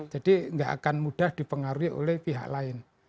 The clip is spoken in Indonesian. jadi tidak akan mudah dipengaruhi oleh pihak lain